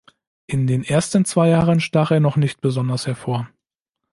In den ersten zwei Jahren stach er noch nicht besonders hervor.